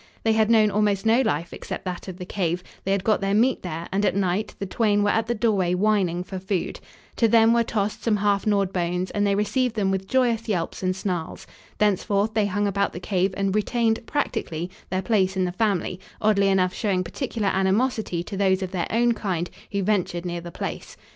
They had known almost no life except that of the cave, they had got their meat there and, at night, the twain were at the doorway whining for food. To them were tossed some half gnawed bones and they received them with joyous yelps and snarls. Thenceforth they hung about the cave and retained, practically, their place in the family, oddly enough showing particular animosity to those of their own kind who ventured near the place.